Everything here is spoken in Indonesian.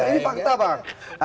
ini fakta pak